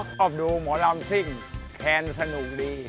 ชอบดูหมอลำซิ่งแคนสนุกดี